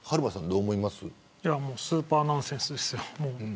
スーパーナンセンスです。